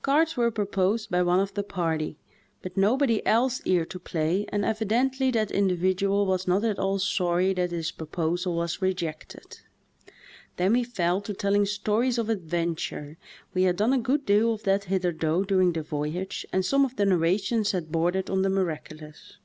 Cards were proposed by one of the party, but nobody else cared to play and evidently that individual was not at all sorry that his proposal was rejected. Then we fell to telling stories of adventure; we had done a good deal of that hitherto during the voyage and some of the narra tions had bordered on the miraculous.